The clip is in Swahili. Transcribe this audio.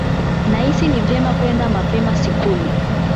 Nahisi ni vyema kwenda mapema Skuli.